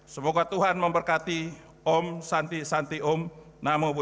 semoga tuhan memberkati om santi santi ibu